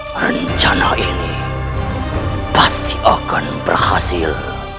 rencana ini pasti akan berhasil